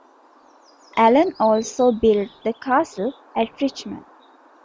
Alan also built the castle at Richmond.